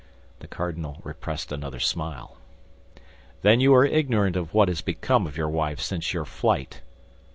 The cardinal repressed another smile. "Then you are ignorant of what has become of your wife since her flight."